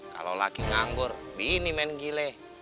kalau laki nganggor bini main gile